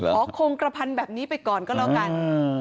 คงกระพันแบบนี้ไปก่อนก็แล้วกัน